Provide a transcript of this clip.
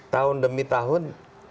tahun demi tahun